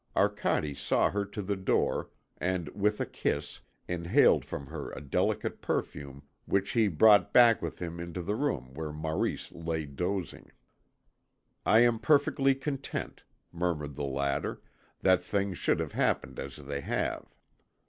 Arcade saw her to the door, and, with a kiss, inhaled from her a delicate perfume which he brought back with him into the room where Maurice lay dozing. "I am perfectly content," murmured the latter, "that things should have happened as they have."